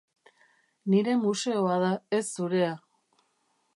Nire museoa da, ez zurea.